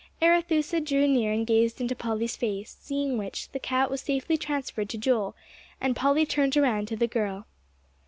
Arethusa drew near and gazed into Polly's face; seeing which, the cat was safely transferred to Joel, and Polly turned around to the girl.